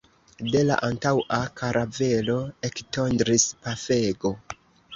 De la antaŭa karavelo ektondris pafego.